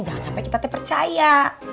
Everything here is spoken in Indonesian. jangan sampai kita teh percaya